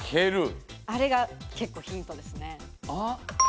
あれが結構ヒントですね。